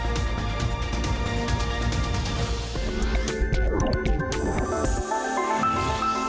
โปรดติดตามตอนต่อไป